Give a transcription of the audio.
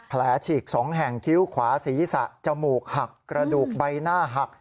ฉีก๒แห่งคิ้วขวาศีรษะจมูกหักกระดูกใบหน้าหัก